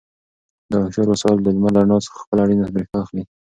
دا هوښیار وسایل د لمر له رڼا څخه خپله اړینه برېښنا اخلي.